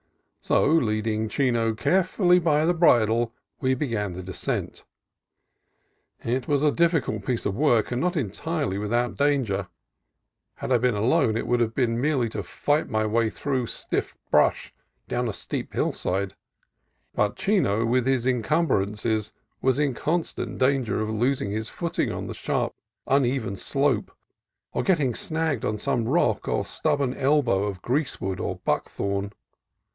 So, leading Chino carefully by the bridle, we began the descent. It was a difficult piece of work, and not entirely with out danger. Had I been alone it would have been merely to fight my way through stiff brush down a steep hillside ; but Chino with his encumbrances was in constant danger of losing his footing on the sharp uneven slope, or getting snagged on some rock or stubborn elbow of greasewood or buckthorn.